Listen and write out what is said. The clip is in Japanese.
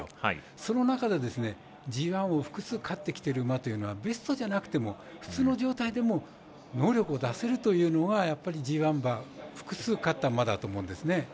その中でＧＩを複数勝ってきている馬というのはベストじゃなくても普通の状態でも能力を出せるというのはＧＩ馬複数勝った馬だと思うんですね。